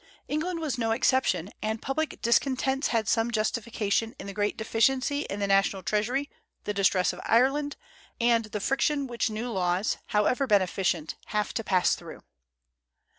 England was no exception; and public discontents had some justification in the great deficiency in the national treasury, the distress of Ireland, and the friction which new laws, however beneficent, have to pass through.